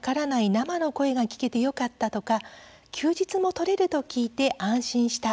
生の声が聞けてよかったとか休日も取れると聞いて安心した